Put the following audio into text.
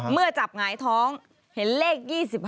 เมื่อจับหงายท้องเห็นเลข๒๕